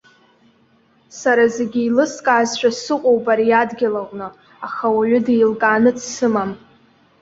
Сара зегьы еилыскаазшәа сыҟоуп ари адгьыл аҟны, аха ауаҩы деилкааны дсымам.